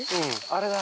あれだ。